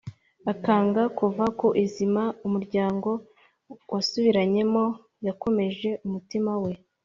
akanga kuva ku izima umuryango wasubiranyemo; yakomeje umutima we,